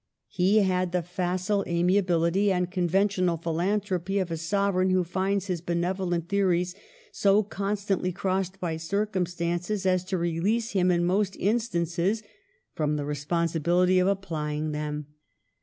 He had the facile Digitized by VjOOQIC I76 MADAME DE STAEVS amiability and conventional philanthropy of a sovereign who finds his benevolent theories so constantly crossed by circumstances as to release him, in most instances, from the responsibility of applying them.